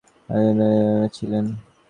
প্রাচীন ভারতে একজন মহান নৃপতি ছিলেন।